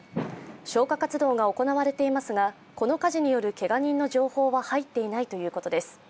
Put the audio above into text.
消火活動が行われていますが、この火事によるけが人の情報は入っていないということです。